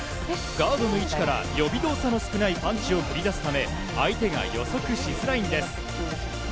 ガードの位置から予備動作の少ないパンチを繰り出すため相手が予測しづらいんです。